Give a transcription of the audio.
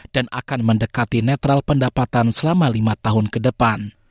dan akan mendekati netral pendapatan selama lima tahun ke depan